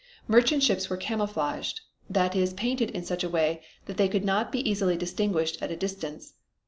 Merchant ships were camouflaged, that is painted in such a way that they could not be easily distinguished at a distance.